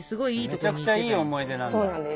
めちゃくちゃいい思い出なんだ。